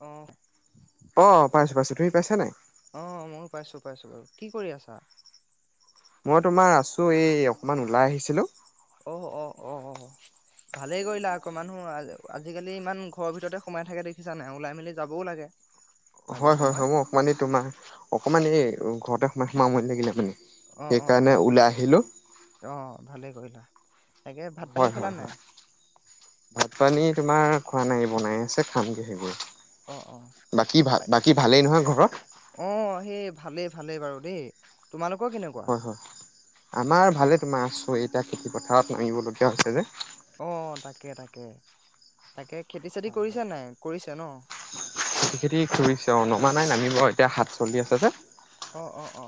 অ'। অ' পাইছো পাইছো তুমি পাইছা নাই? অ', ময়ো পাইছো পাইছো বাৰু কি কৰি আছা? মই তোমাৰ আছো এই অকমান ওলাই আহিছিলো। ও অ' অ'। ভালেই কৰিলা আকৌ মানুহ আজ - আজিকালি ইমান ঘৰৰ ভিতৰতে সোমাই থাকে দেখিছা নাই ওলাই মেলি যাবও লাগে। মাজে হয় হয় সময়ে হয়। মোৰ অকমান‌ এই তোমাৰ অকমান এই ঘৰতে সোমাই সোমাই আমনি লাগিলে মানে। অ' অ' সেইকাৰণে অ', ওলাই আহিলো অ' ভালেই কৰিলা। তাকে ভাত -পানী হয় খালা হয় নাই? হয় ভাত পানী তোমাৰ খোৱা নাই বনাই আছে খামগে হে গৈ। অ' অ', নহয় ঘৰত অ' সেই ভালেই, ভালেই বাৰু। দেই তোমালোকৰ কেনেকুৱা? হয় হয় আমাৰ ভালে তোমাৰ আছো এতিয়া খেতি পথাৰত নামিবলগীয়া হৈছে যে। অ' তাকে তাকে, তাকে খেতি চেতি হয় হয় কৰিছা নাই? কৰিছে ন? খেতি চেতি কৰিছে অ' নমা নাই নামিব এতিয়া সাত চলি আছে যে। অ' অ'।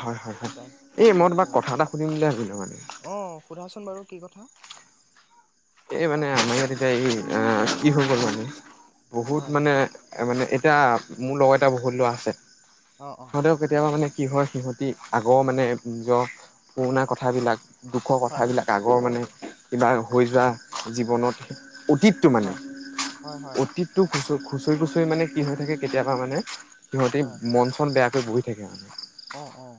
হয় হয় হয়। তাকে এই মই তাকে তোমাক কথা এটা সুধিম বুলি ভাবিলোঁ মানে! অ', সোধাচোন বাৰু কি কথা এই মানে আমাৰ ইয়াত এতিয়া এই আহ কি হৈ গ'ল মানে বহুত হয় হয় মানে মানে এতিয়া মোৰ লগত এটা বহুত ল'ৰা আছে। অ', অ', হ'লেও কেতিয়াবা মানে কি হয় সিহঁতি আগৰ মানে নিজৰ পুৰণা কথাবিলাক দুখৰ হয় হয় কথাবিলাক আগৰ মানে কিবা হৈ যোৱা জীৱনত অতীতটো মানে হয় হয় হয় অতীতটো খুচৰ খুচৰি খুচৰি মানে কি হৈ থাকে কেতিয়াবা মানে সিহঁতে হয় মন চন বেয়া কৰি বহি থাকে মানে। অ' অ'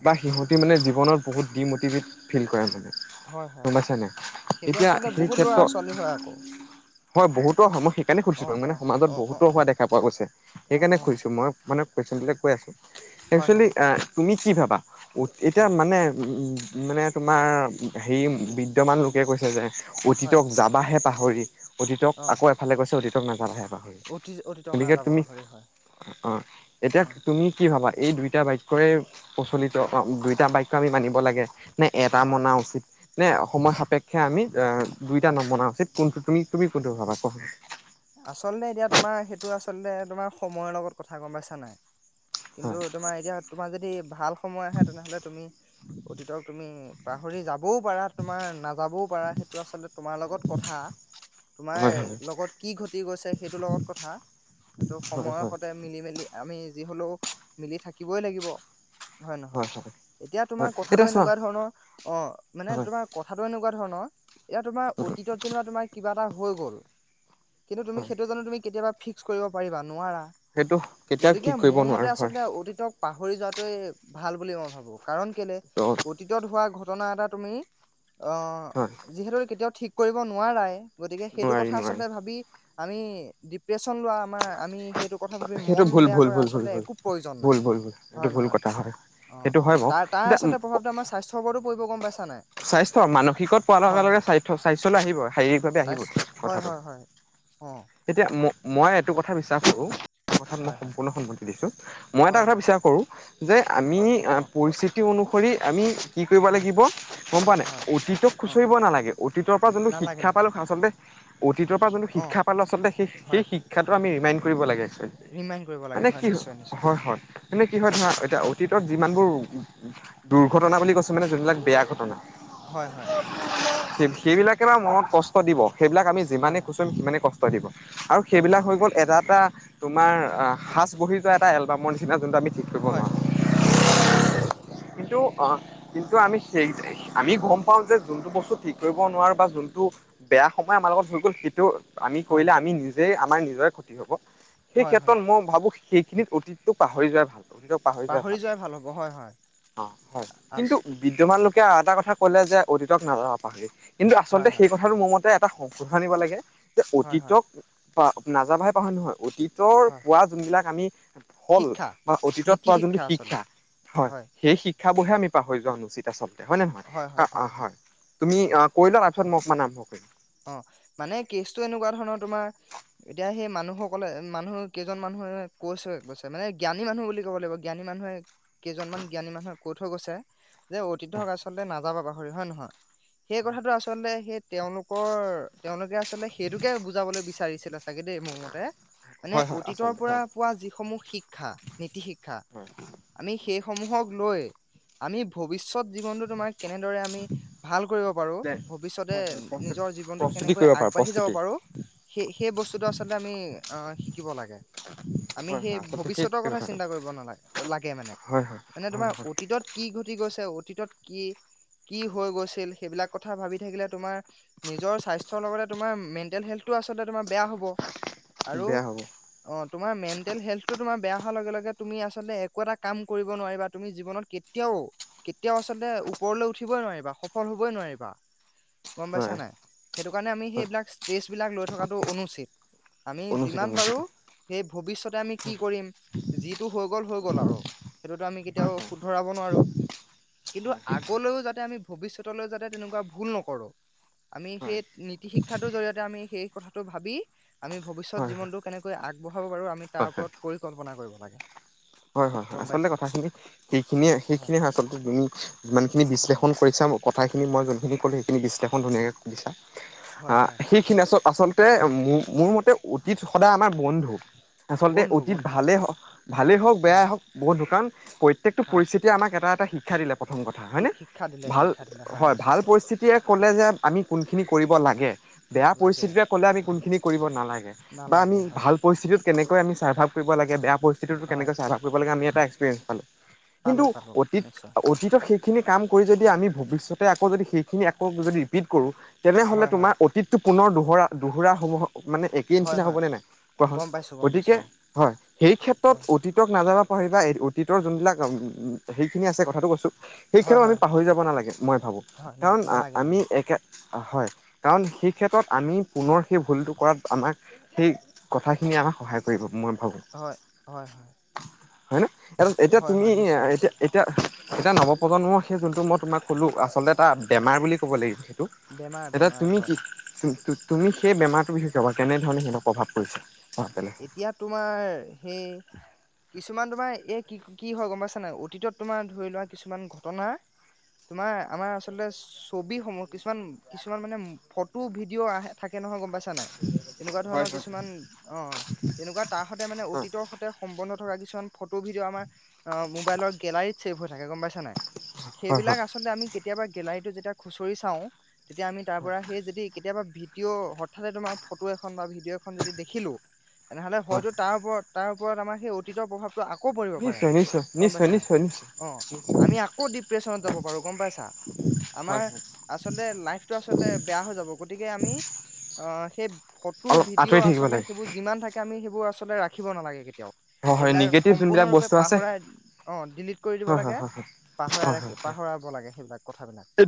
প্ৰতি মানে জীৱনত বহুত ডিম'টিভেট ফিল কৰে মানে। হয় গম হয় পাইছা নাই সেইটো এতিয়া আচলতে সেই বহুত ল'ৰা ক্ষেত্ৰত [inaudible] হয় বহুতো অ হয় মই সেইকাৰণে সুধিছো অ বাৰু মানে অ সমাজত অ অ বহুতো অ হোৱা দেখা পোৱা গৈছে অ সেইকাৰণে অ কৈছোঁ মই মানে কুইচ্ছন বিলাক কৈ আছো। হয় একচুৱেলি হয় আ তুমি কি ভাবা? উট এতিয়া অ মানে মানে তোমাৰ হেৰি বিদ্যমান লোকে কৈছে যে হয় অতীতক হয় আহে পাহৰি অতীতক অ আকৌ এফালে কৈছে অতীতক অতি [unintelligible] অতীতক গতিকে নাযাবা তুমি পাহৰি হয় অ এতিয়া অ তুমি কি ভাবা? এই দুইটা বাক্যৰে প্ৰচলিত, দুইটা বাক্য আমি মানিব লাগে। নে এটা হয় মনা হয় উচিত নে সময় সাপেক্ষে আমি এতিয়া হয় নবনাও চিত কোনটো তুমি - তুমি কোনটো ভাবা ক আচলতে এতিয়া তোমাৰ সেইটো আচলতে তোমাৰ সময়ৰ লগত কথা গম পাইছা নাই। কিন্তু হয় তোমাৰ এতিয়া তোমাৰ যদি ভাল সময় আহে তেনেহলে তুমি অতীতক তুমি পাহৰি যা বও পাৰা তোমাৰ নাযাবও পাৰা সেইটো আচলতে তোমাৰ লগত কথা, তোমাৰ হয় হয় লগত কি ঘটি গৈছে সেইটোৰ লগত কথা সেইটো হয় সময়ৰ হয় সতে মিলি মেলি আমি যি হলেও মিলি থাকিবই লাগিব। হয় নহয় এতিয়া হয় তোমাৰ কথাটো এতিয়া চোৱা এনেকুৱা ধৰণৰ অ মানে হয় তোমাৰ কথাটো এনেকুৱা ধৰণৰ এয়া তোমাৰ অতীতত যেনিবা তোমাৰ কিবা এটা হৈ গ'ল, কিন্তু তুমি হয় সেইটো জানো তুমি কেতিয়াবা ফিক্স কৰিব পাৰিবা নোৱাৰা। সেইটো কেতিয়াও গতিকে ঠিক কৰিব মোৰ মতে নোৱাৰো হয় আচলতে অতীতক পাহৰি যোৱা। ভাল বুলি মই ভাবো কাৰণ কেলে ত' অতীতত হোৱা ঘটনা এটা তুমি অ হয় যিহেতু কেতিয়াও ঠিক কৰিব নোৱাৰাই, গতিকে সেইটো নোৱাৰি কথা নোৱাৰি আচলতে ভাব আমি ডিপ্ৰেচন লোৱা আমাৰ আমি সেইটো কথা ভাবি সেইটো মন ভুল বেয়া ভুল কৰা ভুল ভুল আচলতে ভুল একো প্ৰয়োজন নাই ভুল ভুল ভুল এইটো হয় ভুল নহয়। কথা হয় অঁ, সেইটো হয় বাৰু তাৰ তাৰ আচলতে এতিয়া প্ৰভাৱটো আমাৰ স্বাস্থ্যৰওপৰতো পৰিব গম পাইছা নাই? স্বাস্থ্য মানসিকত পোৱাৰ লগে হয় লগে হয়। স্বাস্থ স্বাস্থ্্যলৈ আহিব শাৰীৰিক ভাৱে আহিব স্বাস্থ্য হয় কথাটো। হয় হয় অ' এতিয়া ম মই এইটো কথা বিচাৰ কৰো কথাত মই হয় হয় সম্পূৰ্ণ সন্মতি দিছো মই এটা হয় কথা হয় বিচাৰ কৰো যে, আমি অ' পৰিস্থিতি অনুসৰি আমি কি কৰিব হয় লাগিব গম পোৱা নাই হয় অতীতক অ' খুচৰিব নালাগে অতীতৰ পৰা যোনটো নালাগে শিক্ষা পালো নালাগে আচলতে, অতীতৰ পৰা যোনটো অ' শিক্ষা পালো আচলতে সেই সেই হয় শিক্ষাটো আমি ৰিমাইণ্ড কৰিব লাগে মানে কি হয় নিশ্চয় নিশ্চয় হয় হয় মে কি হয় অ' ধৰা এতিয়া অতীত যিমানবোৰ দুৰ্ঘটনা বুলি কৈছো মানে যোনবিলাক বেয়া ঘটনা। হয় হয়। স সেইবিলাকে বাাৰ মনত কষ্ট দিব সেইবিলাক আমি হয় যিমানেই হয় খোচোম সিমানেই কষ্ট দিব। আৰু হয় সেইবিলাক হয় হৈ গ'ল এটা এটা তোমাৰ আহ সাঁচ বহি যোৱা এটা এলবামৰ নিচিনা যোনটো আমি। ঠিক কৰিব হয় নোৱাৰো হয় হয় নিশ্চয়। কিন্তু অ কিন্তু আমি সেই আমি গম পাওঁ যে যোনটো বস্তু ঠিক কৰিব নোৱাৰো বা যোনটো বেয়া সময় আমাৰ লগত হৈ গ'ল সেইটো। আমি হয় কৰিলে আমি নিজেই আমাৰ নিজৰে ক্ষতি হব সেই হয় হয় ক্ষেত্ৰত মই ভাবো। সিনিত অতীতটো পাহৰি যোৱাই ভাল। কিন্তু পাহৰি যোৱা ভাল যোৱাই হ'ব হয় হয় অ হয় আচ কিন্তু বিদ্ধবানলোক। এটা কথা কলে যে অতীতক নাযা পাহৰি কিন্তু হয় আচলতে হয় সেই কথাটো মোৰ মতে। এটা সংশোধনিব লাগে যে হয় হয় অতীতক প নাযাবাহে পাহৰি নহয় অতীত। তৰ হয় পোৱা যোনবিলাক আমি ফল শিক্ষা বা অতীতত নীতি পোৱা যোনটো আচলতে শিক্ষা হয় সেই শিক শিক্ষাবহে আমি পাহৰি যোৱা অনুচিত আচলতে হয় নে নহয় হয় তুমি অ অৈ লোৱা তাৰপিছত মই। মানাপ [unintelligible] অ মানে কেচটো এনেকুৱা ধৰণৰ তোমাৰ এতিয়া সেই মানুহসকলে মানুহ কেইজন মানুহে কৈছে কৈছে মানে জ্ঞানী মানুহ বুলি ক'ব লাগিব জ্ঞানী। মানুহে কেইজনমান জ্ঞানী মানুহে। কৈত থৈ গৈছে যে অতিথ হক আচল্ততে নাযাবা পাহৰি হয়ে নহয়। সেই কথাাতটো আচলতে সেই তেওঁলোক কৰ তেওঁলোকে আচলতে সেইটোকে বুজাবলৈ বিচাৰিছিলে চাগে দেই মোৰ মতে। মানে হয় হয় অতীতৰ আচলতে পৰা হয় পোৱা যিসমূহ শিক্ষা নীতি শিক্ষা হয় আমি সেই সমূহক লৈ আমি ভৱিষ্যত জীৱনতটো তোমাক কেনেদৰে আমি ভাল কৰিব পাৰো ভৱিষ্যতে। হয় হয় নিজৰ জীৱনতত প্ৰস্তুতি কেনেকৈ কৰিব পাৰা আগবাঢ়ি যাব প্ৰস্তুতি পাৰো। সেই সেই বস্তুটো আচলতে আমি শিকিব লাগে। আমি হয় সেই হয় আচলতে সেই ভৱিষ্যতৰ কথা কথাটো চিন্তা কৰিব নালাগে লাগে মানে হয় হয় মানে হয় তোমাৰ হয় অতীতত কি উটি গৈছে অতীতত কি কি হৈ গৈছিল সেইবিলাক কথা ভাবি থাকিলে তোমাৰ? নিজৰ স্বাস্থ্যৰ লগতে তোমাৰ মেণ্টেল হেল্থটো আচলতে তোমাৰ বেয়া হ'ব আৰু বেয়া হ'ব অ। তোমাৰ মেণ্টেল হেল্থটো তোমাৰ বেয়া হোৱাৰ লগে লগে তুমি আচলতে একো এটা কাম কৰিব নোৱাৰিবা তুমি জীৱনত কেতিয়াও। কেতিয়াও আচলতে ওপৰলৈ উঠিবই নোৱাৰিবা সফল হবই নোৱাৰিবা। হয়। গম পাইছা নাই সেইটো কাৰণে আমি হয় সেইবিলাক ষ্ট্ৰেচ বিলাক লৈ থকাটো অনুচিত। আমি অনুচিত যিমান অনুচিত পাৰো সেই ভৱিষ্যতে আমি কি কৰিম যিটো হৈ গল হৈ গ'ল আৰু সেইটোতো আমি কেতিয়াও শুধৰাব নোৱাৰো, কিন্তু হয় আগলৈও যাতে আমি। ভৱিষ্যতলৈ যাতে তেনেকুৱা ভুল নকৰো। আমি হয় সেই নীতি শিক্ষাটোৰ জৰিয়তে আমি সেই কথাটো ভাবি আমি ভৱিষ্যত হয় হয় জীৱনতটো কেনেকৈ আগ। হ বাৰ আমি হয় তাৰ হয় ওপৰত পৰিকল্পনা কৰিব লাগে। হয় হয় হয় গম আচলতে পাইছা কথাখিনি সেইখিনিয়ে সেইখিনিয়ে হয় আচল তুমি যিমানখিনি হয় বিশ্লেষণ কৰিছা। সমূহ কথা খিনি মই জুনখিনী কলো সেইখিনি বিশ্লেষণ ধুনীয়াকে কৰিছা হয় আহ হয় সেইখিনি আচ আচলতে মোৰ মতে অতীত সদায় আমাৰ বন্ধু। আচলতে বন্ধু অতীত বন্ধু ভালেই হ ভালেই হওক বেয়াই হয় হওক বহুত দোকান প্ৰত্যেকটো হয় পৰিস্থিতিয় আমাক এটা এটা শিক্ষা দিলে। প্ৰথম কথা হয়নে শি- শিক্ষা দিলে ভাল শিক্ষা দিলে হয় ভাল নিশ্চয় পৰিস্থিতিয়ে ক'লে যে আমি কোনখিনি। কৰিব লাগে বেয়া লাগে পৰিস্থিতিৰে ক'লে আমি কোনখিনি কৰিব নালাগে বা আমি নালাগে হয় ভাল পৰিস্থিতিত। কেনেকৈ আমি ছাৰ্ভ কৰিবাগেয়া পৰিস্থিতিত হয় কেকৈ ছাৰ্ভ কৰিবাগে আি এটা এক্পিৰিয়েঞ্চ পালো। কিন্তু পালো পালো অতীত নিশ্চয় অতীত শেষ। সেইখিনি কাম কৰি যদি আমি ভৱিষ্যতে আকৌ যদি সেইখিনি আকৌ যদি ৰিপিট কৰোঁ। তেনেহলে হয় হয় তোমাৰ অতীতটো পুনৰ দোহৰা দোহোৰা হব। মানে একেই হয় নিচিনা হয় হ'বনে নাই কোৱাখন গম পাইছো গম পাইছো গতিকে হয় সেই অ ক্ষেত্ৰত অ অতী। নাযাব পাৰ বা এই অতীতৰ যোনবিলাক সেইখিনি আছে কথাটো কৈছোঁ। সেই হয় ক্ষণও আমি হয় পাহৰি যাব নালাগে মই ভাবোঁ হয় ন কাৰণ নালাগে আমি নালাগে একে হয় কাৰণ সেই ক্ষেত্ৰত আমি পুনৰ সেই ভুলটো কৰাত আমাক সেই কথাখিনি আমাক সহায় কৰিব মই হয় হয় হয়। হয় ন এ এতিয়া হয় তুমি হয় নিশ্চয় এতিয়া নিশ্চয় এতিয়া এতিয়া নৱপ্ৰজন্মৰ সেই যোনটো মই তোমাক ক'লোঁ আচলতে এটা হয় বেমাৰ বুলি ক'ব লাগিব সেইটো বেমাৰ এতিয়া বেমাৰ তুমি কি হয় তুমি সেই বেমাৰটোৰ বিশষে কেনেধৰণে প্ৰভাৱ পৰিছে অ' বেলেগ এতিয়া তোমাৰ সেই কিছুমান তোমাৰ এই কি কি হয় গম পাইছা নাই অতীতত তোমাৰ ধৰি লোৱা কিছুমান ঘটনা তোমাৰ আমাৰ আচলতে ছবি সমূহ কিছুমান কিছুমান মানে ফটো ভিডিঅ' আহে থাকে। তাকে নহয় গম পাইছা নাই তেনেকুৱা হয় ধৰণৰ হয়। কিছুমান অ। তেনেকুৱা তাহ সতে মানে অতীতৰ সতে। বন্ধ থকা কিছুমান ফটো ভিডিঅ' আমাৰ অ মোবাইলৰ গেলাৰীত ছেভ হৈ থাকে গম পাইছা নাই। হয় সেইবিলাক হয় আচলতে আমি কেতিয়াবা গেলাৰী যেতিয়া খুচৰি চাও তেতিয়া আমি তাৰ পৰা সেই যদি কেতিয়াবা ভিডিঅ' হঠাতে তোমাৰ ফটো এখন বা ভিডিঅ' এখন যদি দেখিলো। তেনেহ'লে হয় হয়তো তাৰ ওপৰত তাৰ ওপৰত আমাৰ সেই অতীত প্ৰভাৱ। আকৌ পৰিঢ়ব পাৰে নিশ্চয় নিশ্চয় গম নিশ্চয় পাইছা নে নিশ্চয় নিশ্চয় অ আমি আকৌ ডিপ্ৰে্যনত যাব পাৰো গম পাইছা [unintelligible] আমাৰ আচলতে লাইফটো আচলতে বেয়া হৈ যাব গতিকে আমি অ সেই ফটো অলপ ভিডিঅ' আঁতৰি থাকিব আচলতে লাগে সেইবোৰ যিমান থাকে আমি সেইবোৰ আচলতে ৰাখিব নালাগে তেওঁক হয় হয় সেইবিলাক নিগেটিভ যোনবিলাক সম্পূৰ্ণৰূপে বস্তু আছে পাহৰাই অ ডিলিট কৰি দিব হয় হয় লাগে হয় হয় পাহৰাই হয় ৰাখি হয় হয় পাহৰাব লাগে সেইবিলাক কথাবিলাক এ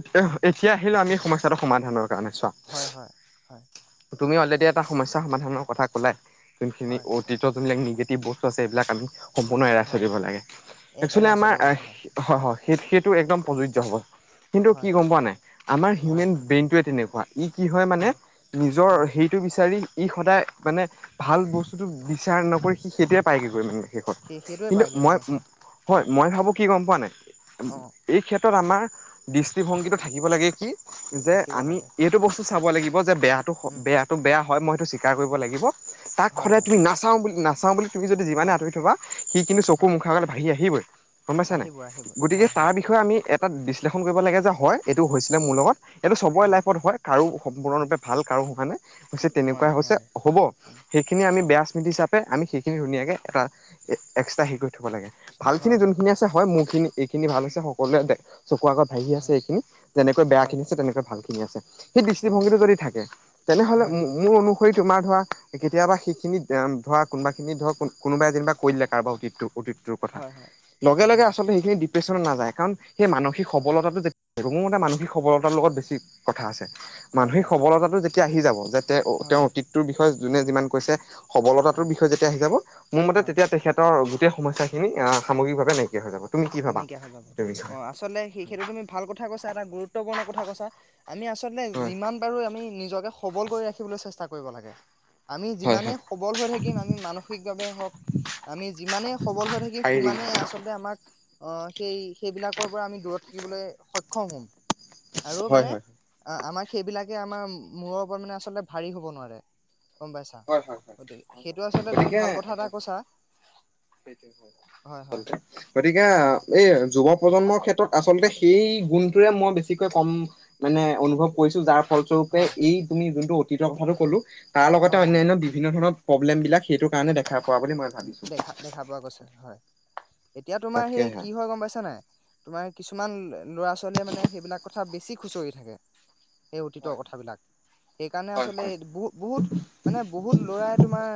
এতিয়া আহিলো আমি সমাধানৰ কাৰণে চোৱা। হয় হয় হয় তুমি অলৰেডি এটা। সমস্যা সমাধানৰ কথা কলাই যোনখিনি হয় অতীত যোনবিলাক নিগেটিভ বস্তু আছে এইবিলাক আমি। সম্পূৰ্ণ এৰাই হয় চলিব লাগে এ একচুৱেলি এৰা আমাৰ চলিব লাগে হয় হয়। সেই সেইটো একদম প্ৰযোজ্য হ'ব কিন্তু হয় কি গম পোৱা নাই আমাৰ হয় হিউমেন ব্ৰেইনটোৱে তেনেকুৱা। ই কি হয় মানে নিজৰ হয় সেইটো বিচাৰি। ই সদায় মানে ভাল বস্তুটো বিচাৰ নকৰি সি সেইটোৱে পায়গৈগৈ মানে। ষত সেই সেইটোৱে কিন্তু পায়গে মই হয় হয় হয় মই ভাবোঁ কি গম পোৱা নাই অ এই ক্ষেত্ৰত আমাৰ দৃষ্টিভংগীটো থাকিব লাগে কি যে থাকিব আমি লাগে এইটো বস্তু চাব লাগিব অ যে বেয়াটো উম বেয়াটো বেয়া হয় মই সেইটো স্বীকাৰ কৰিব লাগিব তাক হয় সদায় হয় তুমি নাচাও বুলি নাচাওঁ বুলি তুমি যদি যিমানে হয় আঁতৰি থবা সি কিন্তু চকুৰ হয় মুখ আগত বাঢ়ি আহিবই। গম পাইছা নাই আহিব আহিব গতিকে হয় তাৰ হয় বিষয়ে আমি এটা বিশ্লেষণ কৰিব লাগে যে হয় এইটো হৈছিলে মোৰ লগত। এইটো চবৰে লাইফত হয় কাৰো হয় সম্পূৰ্ণৰূপে ভাল কাৰো হয়নে। তেনেকুৱা নোৱাৰে হৈছে নোৱাৰে হ'ব সেইখিনি আমি বেয়া স্মৃতি হিচাপে আমি শে- কিনি ধুনীয়াকে এটা এক্সট্ৰা সেই কৰি থ'ব লাগে হয় ভালখিনি হয় যোনখিনি আছে হয় মোক। খিনি এইখিনি ভাল হৈছে সকলোৱে চকুৰ আগত ভাঙি আছে হয় এইখিনি যেনেকৈ বেয়া হয় হয় হয় খিনি আছে হয় তেনেকে ভাল খিনি আছে। সেই অ দৃষ্টিভংগীটো যদি থাকে, তেনেহ'লে হয় হয় মোৰ অনুসৰি। তোমাৰ ধৰা কেতিয়াবা সেইখিনি ধৰা কোনোবা খিনি ধৰক কোনোবাই যেনিবা কৰি দিলে কাৰোবা অতীতটো অতিতটোৰ কথা, হয় হয় লগে হয় লগে আচলতে সেইখিনি ডিপ্ৰেশ্যনত নাযায় কাৰণ সেই মানসিক হয় সবলতাটো যে। মোৰ মতে মানসিক সবলতাৰ লগত বেছি কথা আছে। হয় হয় মানসিক সবলতাটো যেতিয়া আহি যাব যে তেওঁৰ হয় অতীতটোৰ বিষয়ে যোনে যিমান কৈছে, সবলতাটোৰ হয় বিষ- ষয়ে যেতিয়া শিকাব মোৰ মতে হয় তেতিয়া তেখেতৰ গোটেই সমস্যাখিনি সামগ্ৰিকভাৱে নাইকিয়া হৈ যাব। তুমি কি ভাবা নাইকিয়া হৈ যাব এইটো অ বিষয়ে? আচলতে সেই সেইটো তুমি ভাল কথা কৈছা এটা গুৰুত্বপূৰ্ণ কথা কৈছা। আমি আচলতে হয় যিমান পাৰো আমি নিজকে সবল কৰি ৰাখিবলৈ চেষ্টা কৰিব লাগে। আমি হয় যিমানেই হয় সবল হৈ থাকিম আমি মানসিকভাৱে হওঁক। আমি যিমানেই সবল হৈ থাকিম শাৰীৰিক সিমানেই আচলতে আমাক। অ সেই সেইবিলাকৰ পৰা আমি দূৰত থাকিবলৈ সক্ষম হম। আৰু হয় মানে হয় আ আমাৰ। সেইবিলাকে আমাৰ মূৰৰ ওপৰত মানে আচলতে ভাৰী হ'ব নোৱাৰে। গম পাইছা, হয় হয় হয় হয় গতিকে সেইটো আচলতে তুমি ভাল কথা এটা কৈছা। সেইটো হয় হয় হয় সন্ত্ৰাস, গতিকে অ এই যুৱ প্ৰজন্মক ক্ষেত্ৰত আচলতে সেই গুণটোৰে মই বেছিকৈ কম মানে অনুভৱ কৰিছো যাৰ। ফলস্বৰূপে হয় এই তুমি যোনটো অতীতৰ কথাটো ক'লো তাৰ লগতে হয় হয় অন্যান্য বিভিন্ন ধৰণৰ প্ৰব্লেম বিলাক সেইটো কাৰণে দেখা পোৱা বুলি মই ভাবিছো দেখা দেখা পোৱা গৈছে হয়। এতিয়া তোমাৰ সেই তাকেহে কি হয় গম পাইছা নাই তোমাৰ কিছুমান ল'ৰা ছোৱালীয়ে মানে সেইবিলাক কথা বেছিক খুচৰি থাকে, সেই অতীত হয় কথাবিলাক। সেইকাৰণে হয় আচলতে হয় বহু বহুত মানে বহুত ল'ৰাই তোমাৰ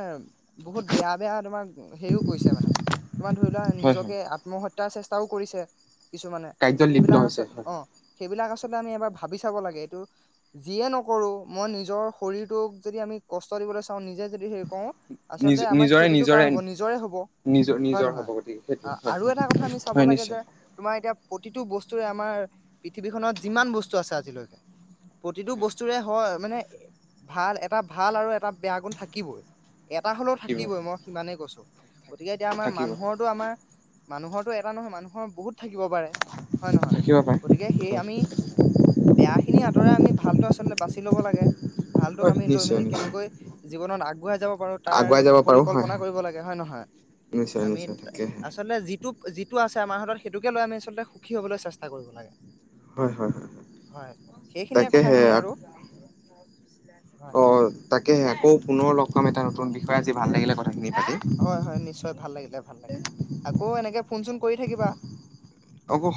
বহুত বেয়া বেয়া তোমাৰ হেৰিও কৈছে মানে, তোমাৰ ধৰি লোৱা হয় হয় নিজকে আত্মহত্যাৰ চেষ্টাও কৰিছে। কিছুমানে কাৰ্যত লিপ্ত সেইবিলাক আচ হৈছে হয় অ সেইবিলাক আচ। আমি এবাৰ ভাবি চাব লাগে, এইটো যিয়ে নকৰো মই নিজৰ শৰীৰটোক যদি আমি কষ্ট দি- চাওঁ নিজে যদি হেৰি কৰো নিজ আচলতে আমাৰ নিজৰে ক্ষতিতটো কাৰ নিজৰে হব নিজৰে হব। নিজ হয় নিজৰ হ'ব নহয় গতিকে অ সেইটোৱে হয় আৰু এটা কথা আমি চাব হয় লাগে যে নিশ্চয় তোমাৰ এতিয়া প্ৰতি- টো বস্তুৰে আমাৰ পৃথিৱীখননত যিমান বস্তু আছে আজিলৈকে প্ৰতিটো বস্তুৰে হয় মানে ভাল এটা ভাল আৰু এটা বেয়া গুণ থাকিবই এটা হ'লো থাকিব কিবই মই সিমানেই কৈছো। গতিকে এতিয়া আমাৰ থাকিব মানুহৰতো আমাৰ মানুহৰটো এটা নহয় মানুহৰ বহুত থাকিব পাৰে হয় নহয় থাকিব পাৰে গতিকে সেই হয় আমি বেয়া খিনি আঁতৰাই আমি ভালতো আচলতে বাছি ল'ব লাগে। ভালটোক হয় আমি লৈ নিশ্চয় মেলি নিশ্চয় কেনেকৈ জীৱনত আগুৱাই যাব পাৰো তাৰ আগুৱাই যাব পাৰো হয় পৰিকল্পনা হয় কৰিব লাগে হয় নহয় নিশ্চয় আমি নিশ্চয় তাকেহে আচলতে যিট- টোপ যিটো আছে আমাৰ হাতত সেইটোকে লৈ আমি আচলতে সুখী হ'বলৈ চেষ্টা কৰিব লাগে। হয় হয় হয় হয় সেইখিনিয়ে তাকে সে কথাখিনি আক। আৰু হয় অ তাকে আকৌ পুনৰ লগ পাম এটা নতুন বিষয়ে আজি ভাল লাগিলে কথাখিনি। পাতি। হয় হয় নিশ্চয় ভাল লাগিলে ভাল লাগিলে। আকৌ এনেকে ফোন চোন কৰি থাকিবা।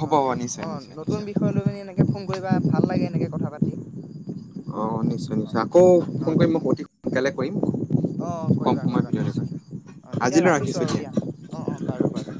হ'ব অ হ'ব নিশ্চয় অ নিশ্চয় নতুন নিশ্চয় বিষয় লৈ মিনি এনেকে ফোন কৰিবা ভাল লাগে এনেকে কথা পাতি অ নিশ্চয় অ নিশ্চয় আকৌ অ ফোন কৰিম মই অতি সোনকালে কৰিম। অ কম কৰিবা সময়ৰ কৰিবা ভিতৰতে কৰিম নিশ্চয়। অ তেতিয়া আজিলৈ ৰাখিছো ৰাখিছোঁ আৰু দিয়া অ অ বাৰু বাৰু।